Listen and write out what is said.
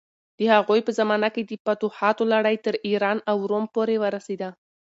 د هغوی په زمانه کې د فتوحاتو لړۍ تر ایران او روم پورې ورسېده.